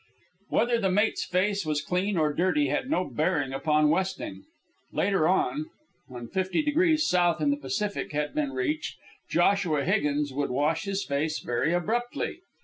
Whether the mate's face was clean or dirty had no bearing upon westing. Later on, when 50 degrees south in the Pacific had been reached, Joshua Higgins would wash his face very abruptly.